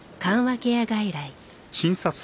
ケア外来。